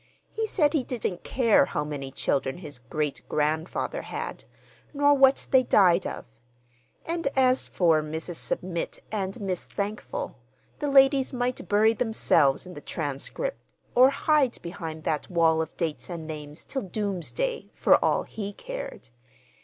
He said he didn't care how many children his great grandfather had, nor what they died of; and as for Mrs. Submit and Miss Thankful, the ladies might bury themselves in the "Transcript," or hide behind that wall of dates and names till doomsday, for all he cared.